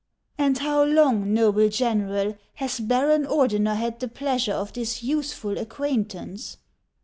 " And how long, noble General, has Baron Ordener had the pleasure of this useful acquaintance